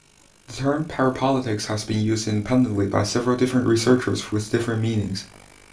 The term parapolitics has been used independently by several different researchers with different meanings.